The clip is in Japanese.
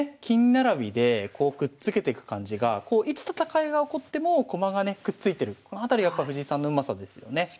金並びでこうくっつけてく感じがいつ戦いが起こっても駒がねくっついてるこのあたりやっぱ藤井さんのうまさですよね。